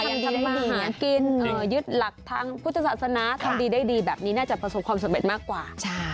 ยังทำมาหากินยึดหลักทางพุทธศาสนาทำดีได้ดีแบบนี้น่าจะประสบความสำเร็จมากกว่า